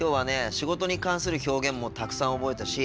仕事に関する表現もたくさん覚えたし